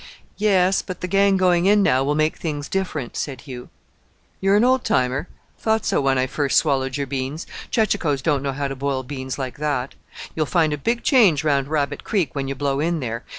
"Yes; but the gang going in now will make things different," said Hugh. "You're an old timer?... Thought so when I first swallowed your beans. Chechachoes don't know how to boil beans like that. You'll find a big change round Rabbit Creek when you blow in there.